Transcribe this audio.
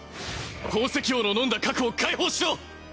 宝石王の飲んだ核を解放しろ！